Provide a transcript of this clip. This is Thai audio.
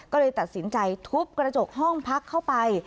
ก็เลยตัดสินใจทุบกระจกห้องพักเข้าไป